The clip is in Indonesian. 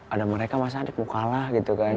ada mereka masa anak mau kalah gitu kan